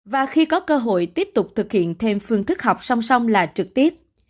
và khi có cơ hội tiếp tục thực hiện thêm phương thức học song song là trực tiếp